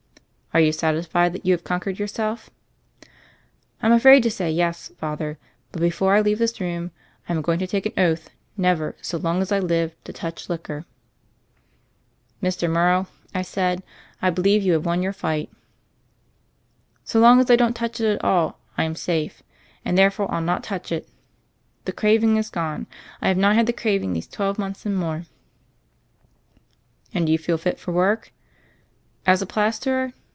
"Are you satisfied that you have conquered yourself?" "I'm afraid to say *yes,' Father; but before I leave this room, I'm going to take an oath never, so long as I live, to touch liquor." "Mr. Morrow," I said, "I believe you have won your fight." "So long as I don't touch it at all, I am safe; and therefore I'll not touch it. The craving is gone; I have not had the craving these twelve months and more." "And do you feel fit for work?" "As a plasterer?